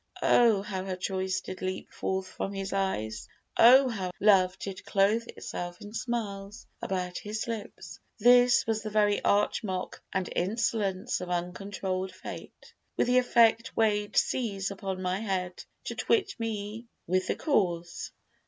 Oh, how her choice did leap forth from his eyes! Oh, how her love did clothe itself in smiles About his lips! This was the very arch mock And insolence of uncontrolled Fate, When the effect weigh'd seas upon my head To twit me with the cause.